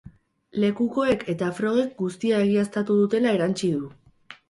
Lekukoek eta frogek guztia egiaztatu dutela erantsi du.